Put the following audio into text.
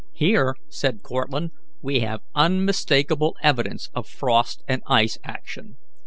"Here," said Cortlandt, "we have unmistakable evidence of frost and ice action.